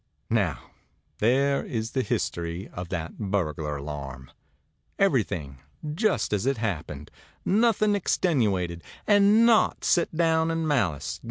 ãNow there is the history of that burglar alarm everything just as it happened; nothing extenuated, and naught set down in malice.